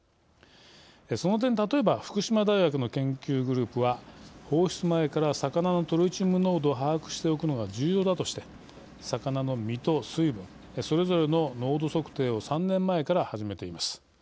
その点例えば福島大学の研究グループは放出前から魚のトリチウム濃度を把握しておくのが重要だとして魚の身と水分それぞれの濃度測定を３年前から始めています。